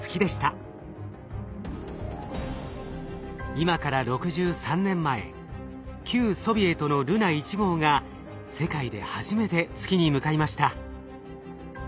今から６３年前旧ソビエトのルナ１号が世界で初めて月に向かいました。